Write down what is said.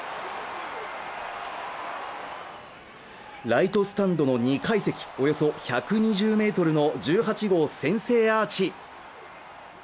ライトスタンドの２階席およそ１２０ｍの１８号先制アーチ